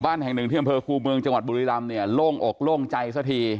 แห่งหนึ่งที่อำเภอคูเมืองจังหวัดบุรีรำเนี่ยโล่งอกโล่งใจซะที